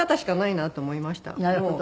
なるほど。